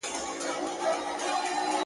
یو مذهب دی یو کتاب دی ورک د هر قدم حساب دی.!